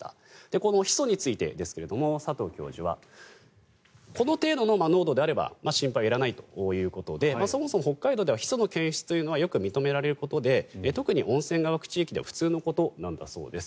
このヒ素についてですが佐藤教授はこの程度の濃度であれば心配はいらないということでそもそも北海道ではヒ素の検出というのはよく認められることで特に温泉が湧く地域では普通のことなんだそうです。